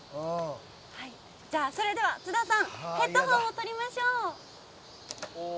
それでは津田さんヘッドホンをとりましょう。